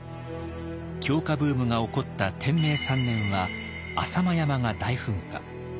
狂歌ブームが起こった天明３年は浅間山が大噴火。